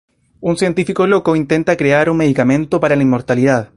Un científico loco intenta crear un medicamento para la inmortalidad.